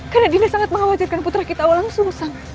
karena dinda sangat mengkhawatirkan putra kita orang susang